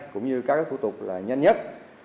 cũng như các thủ tục là nhanh nhất